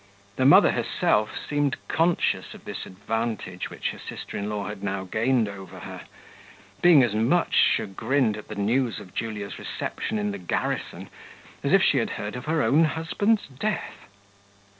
The mother herself seemed conscious of this advantage which her sister in law had now gained over her, being as much chagrined at the news of Julia's reception in the garrison, as if she had heard of her own husband's death.